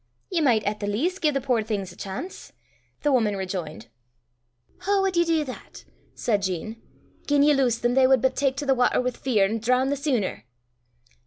"Ye micht at the leest gie the puir things a chance," the woman rejoined. "Hoo wad ye dee that?" said Jean. "Gien ye lowsed them they wad but tak to the watter wi' fear, an' droon the seener."